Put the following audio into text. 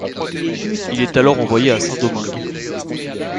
Il est alors envoyé à Saint-Domingue.